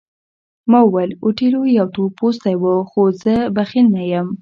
ما وویل اوتیلو یو تور پوستی وو خو زه بخیل نه یم.